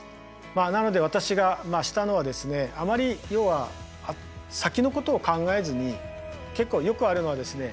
まあなので私がしたのはですねあまり要は先のことを考えずに結構よくあるのはですね